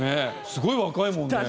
すごい若いもんね！